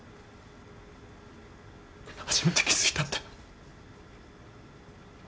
初めて気付いたんだ。